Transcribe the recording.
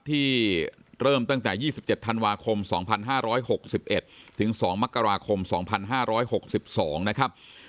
ที่เริ่มตั้งแต่๒๗ธันวาคม๒๕๖๑ถึง๒มกราคม๒๕๖๒นะครับ